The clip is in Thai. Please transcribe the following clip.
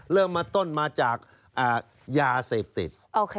เริ่มมาต้นมาจากยาเสพติด